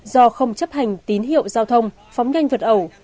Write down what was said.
do không chấp hành tín hiệu giao thông phóng nhanh vượt ẩu